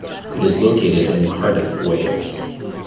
It is located in Cardiff, Wales.